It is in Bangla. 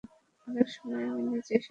অনেক সময় আমি নিজেই সবকিছু গুলিয়ে ফেলি।